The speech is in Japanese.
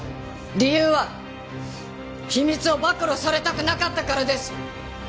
理由は秘密を暴露されたくなかったからです。